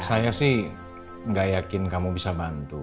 saya sih gak yakin kamu bisa bantu